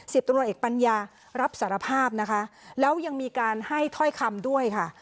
ตำรวจเอกปัญญารับสารภาพนะคะแล้วยังมีการให้ถ้อยคำด้วยค่ะ